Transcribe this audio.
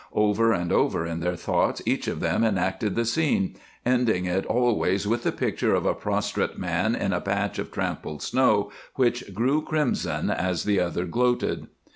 Over and over in their thoughts each of them enacted the scene, ending it always with the picture of a prostrate man in a patch of trampled snow which grew crimson as the other gloated.